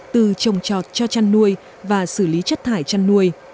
từ trồng trọt cho chăn nuôi và xử lý chất thải chăn nuôi